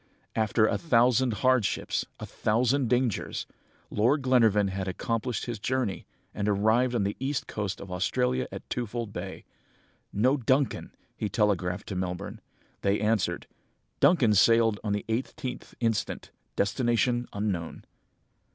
"After a thousand hardships, a thousand dangers, Lord Glenarvan had accomplished his journey, and arrived on the east coast of Australia, at Twofold Bay. 'No Duncan!' he telegraphed to Melbourne. They answered, 'Duncan sailed on the 18th instant. Destination unknown.'